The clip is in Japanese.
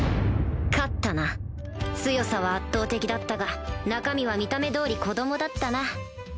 勝ったな強さは圧倒的だったが中身は見た目通り子供だったな